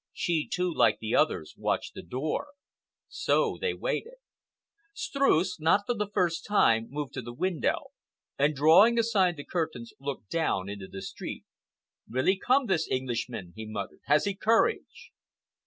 She, too, like the others, watched the door. So they waited. Streuss, not for the first time, moved to the window and drawing aside the curtains looked down into the street. "Will he come—this Englishman?" he muttered. "Has he courage?"